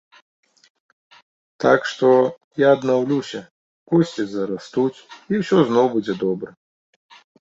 Так што, я аднаўлюся, косці зарастуць, і ўсё зноў будзе добра.